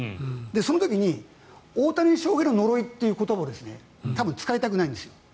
その時に大谷翔平の呪いという言葉を多分使いたくないんですよ。